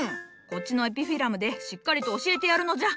こっちのエピフィラムでしっかりと教えてやるのじゃ。